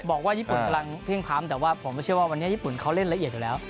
บอกว่าญี่ปุ่นกำลังเพลี่ยพร้ำแต่ว่าผมไม่เชื่อว่าวันนี้ญี่ปุ่นเขาเล่นละเอียดอยู่แล้ว